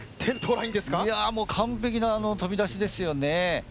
もう完璧な飛び出しですよね。